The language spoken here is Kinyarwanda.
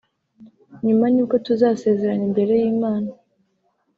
nyuma nibwo tuzasezerana imbere y’Imana